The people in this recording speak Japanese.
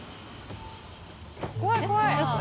怖い怖い。